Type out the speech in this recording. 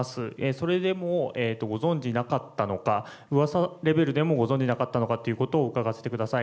それでもご存じなかったのか、うわさレベルでもご存じなかったのかということを伺わせてください。